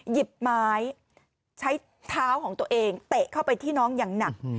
หยิบไม้ใช้เท้าของตัวเองเตะเข้าไปที่น้องอย่างหนัก